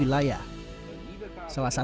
sejumlah langkah dari meja diplomasi pun dilakukan